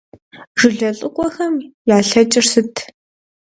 Жылэ лӀыкӀуэхэм ялъэкӀыр сыт?